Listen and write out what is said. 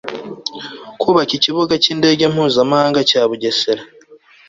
kubaka ikibuga cy' indege mpuzamahanga cya bugesera